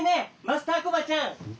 マスターコバちゃん。